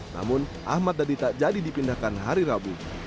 namun ahmad dhani tak jadi dipindahkan hari rabu